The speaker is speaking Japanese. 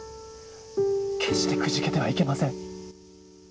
決してくじけてはいけません。